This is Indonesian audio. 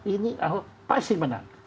ini ahok pasti menang